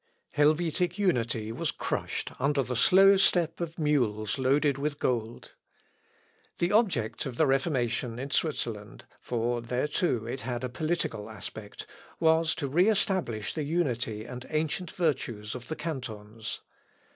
Helvetic unity was crushed under the slow step of mules loaded with gold. The object of the Reformation in Switzerland for there too it had a political aspect was to re establish the unity and ancient virtues of the cantons.